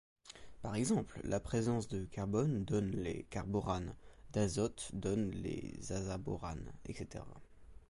Par exemple, la présence de carbone donne les carboranes, d'azote donne les azaboranes, etc.